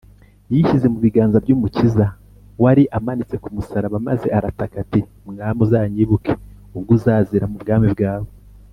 yishyize mu biganza by’umukiza wari amanitse ku musaraba maze arataka ati, “mwami uzanyibuke ubwo uzazira mu bwami bwawe